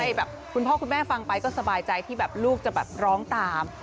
ก็ทำให้ข้นพ่อคุณแม่ฟังไปก็สบายใจที่ลูกจะร้องตาม